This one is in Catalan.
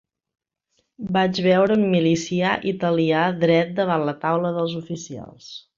Vaig veure un milicià italià dret davant la taula dels oficials.